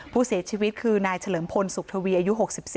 ผู้เสียชีวิตคือนายเฉลิมพลสุขทวีอายุ๖๔